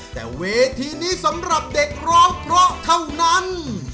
แต่เวทีนี้สำหรับเด็กร้องเพราะเท่านั้น